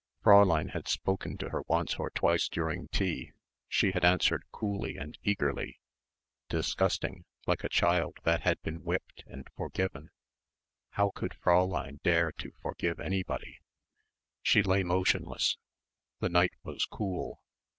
Fräulein had spoken to her once or twice during tea. She had answered coolly and eagerly ... disgusting ... like a child that had been whipped and forgiven.... How could Fräulein dare to forgive anybody? She lay motionless. The night was cool.